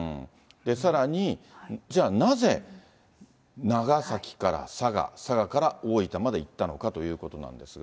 さらに、じゃあなぜ、長崎から佐賀、佐賀から大分まで行ったのかということなんですが。